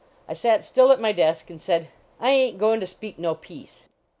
I sat still at my desk and said :" I aint goin to speak no piece."